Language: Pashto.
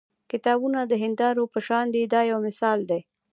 کتابونه د هیندارو په شان دي دا یو مثال دی.